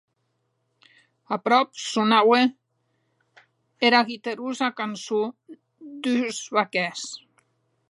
Aprop sonaue era guiterosa cançon d’uns barquèrs.